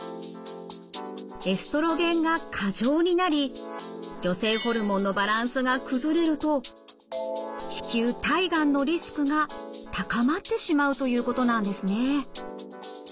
エストロゲンが過剰になり女性ホルモンのバランスが崩れると子宮体がんのリスクが高まってしまうということなんですね。